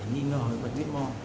nhi nở và tuyết mò